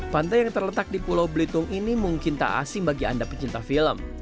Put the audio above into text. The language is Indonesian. pantai yang terletak di pulau belitung ini mungkin tak asing bagi anda pecinta film